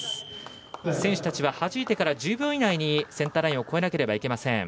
選手たちははじいてから１０秒以内にセンターラインを越えなければいけません。